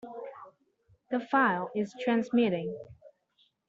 The file is transmitting.